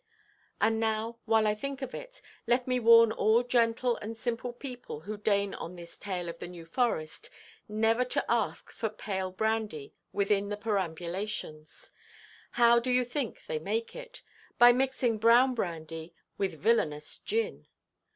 And now, while I think of it, let me warn all gentle and simple people who deign on this tale of the New Forest, never to ask for pale brandy within the perambulations. How do you think they make it? By mixing brown brandy with villanous gin.